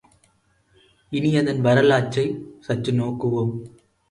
இனி அதன் வரலாற்றைச்சற்று நோக்குவோம்.